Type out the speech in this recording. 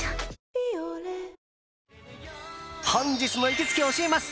「ビオレ」本日の行きつけ教えます！